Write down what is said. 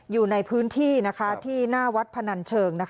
อยู่ในพื้นที่ที่หน้าวัดพนันเชิง